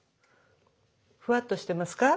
ふわっとしてますか？